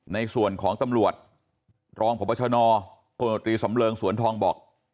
ในส่วนของตำรวจรองพบชนพลตรีสำเริงสวนทองบอก